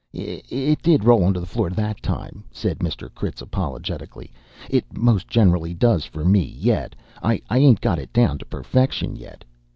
"It did roll onto the floor that time," said Mr. Critz apologetically. "It most generally does for me, yet. I ain't got it down to perfection yet.